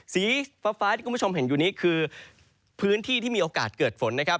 สีฟ้าที่คุณผู้ชมเห็นอยู่นี้คือพื้นที่ที่มีโอกาสเกิดฝนนะครับ